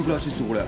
これ。